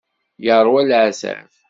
Yeṛwa leɛtab.